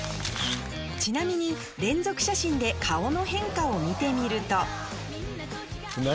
ちなみに連続写真で顔の変化を見てみると何？